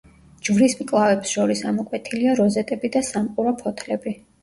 ჯვრის მკლავებს შორის ამოკვეთილია როზეტები და სამყურა ფოთლები.